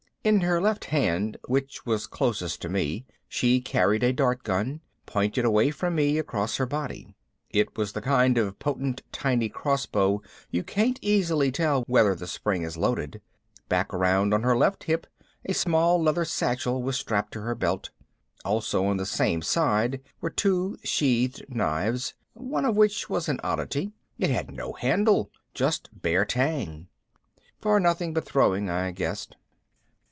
In her left hand, which was closest to me, she carried a dart gun, pointed away from me, across her body. It was the kind of potent tiny crossbow you can't easily tell whether the spring is loaded. Back around on her left hip a small leather satchel was strapped to her belt. Also on the same side were two sheathed knives, one of which was an oddity it had no handle, just the bare tang. For nothing but throwing, I guessed.